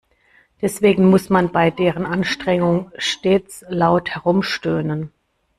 Deswegen muss man bei deren Anstrengung stets laut herumstöhnen.